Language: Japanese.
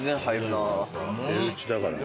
手打ちだからね。